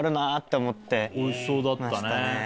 おいしそうだったね。